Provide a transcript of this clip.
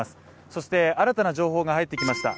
そして新たな情報が入ってきました。